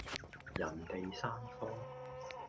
人地生疏